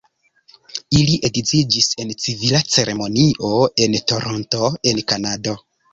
Ili edziĝis en civila ceremonio en Toronto en Kanado.